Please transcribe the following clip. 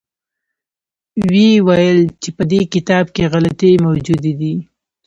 ویې ویل چې په دې کتاب کې غلطۍ موجودې دي.